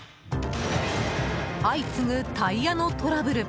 相次ぐタイヤのトラブル。